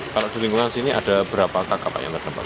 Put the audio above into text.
kalau di lingkungan sini ada berapa tangkap yang terdampak